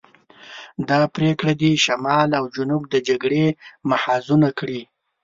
دا پرېکړې دې شمال او جنوب د جګړې محاذونه کړي.